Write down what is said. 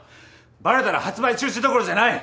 バレたら発売中止どころじゃない！